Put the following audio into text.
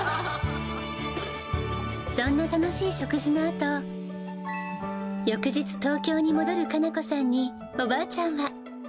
そんな楽しい食事のあと、翌日、東京に戻る可奈子さんに、おばあちゃんは。